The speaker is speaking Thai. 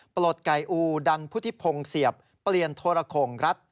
ปลดไก่อูดันพุทธิพงศ์เสียบเปลี่ยนโทรโขงรัฐ